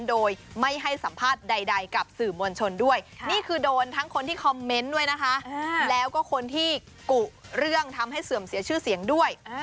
โดยไม่ให้สัมภาษณ์ใดกับสื่อมวลชนด้วย